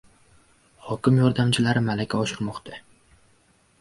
Hokim yordamchilari malaka oshirmoqda